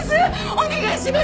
お願いします！